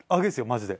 マジで。